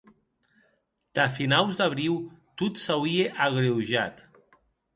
Tà finaus d’abriu tot s’auie agreujat.